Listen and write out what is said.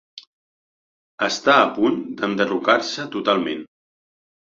Està a punt d'enderrocar-se totalment.